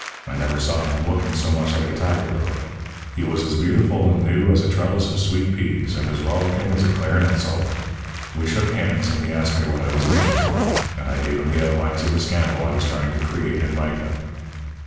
I never saw him looking so much like a tiger lily. He was as beautiful and new as a trellis of sweet peas, and as rollicking as a clarinet solo. We shook hands, and he asked me what I was doing, and I gave him the outlines of the scandal I was trying to create in mica.